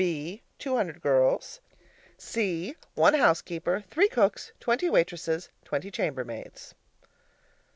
(b) two hundred girls. (c) one housekeeper, three cooks, twenty waitresses, twenty chambermaids.